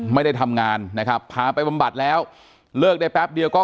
ไม่ได้ทำงานนะครับพาไปบำบัดแล้วเลิกได้แป๊บเดียวก็